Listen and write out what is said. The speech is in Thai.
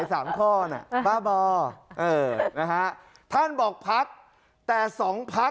การเงินมันมีฝ่ายฮะ